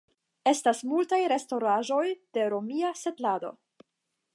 Estas multaj restaĵoj de romia setlado.